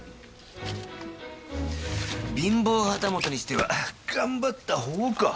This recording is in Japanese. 貧乏旗本にしては頑張ったほうか。